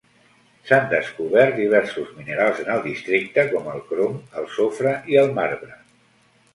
S'han descobert diversos minerals en el districte com el crom, el sofre i el marbre.